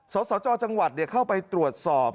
สสจจังหวัดเข้าไปตรวจสอบ